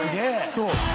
そう。